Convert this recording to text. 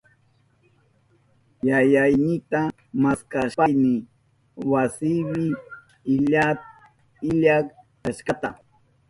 Yayaynita maskashpayni wasinpi illa kashka.